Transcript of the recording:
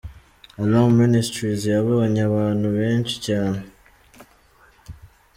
Alarm Ministries yabonye abantu benshi cyane.